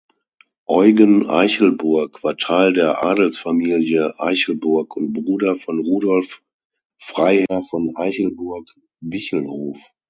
Eugen Aichelburg war Teil der Adelsfamilie Aichelburg und Bruder von Rudolf Freiherr von Aichelburg-Bichelhof.